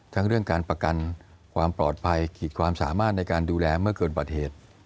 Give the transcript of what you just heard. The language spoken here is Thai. เรื่องการประกันความปลอดภัยขีดความสามารถในการดูแลเมื่อเกินปฏิเหตุ